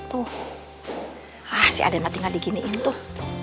tuh si adem hati hati kiniin tuh